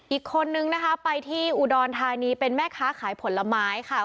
อีกคนนึงนะคะไปที่อุดรธานีเป็นแม่ค้าขายผลไม้ค่ะ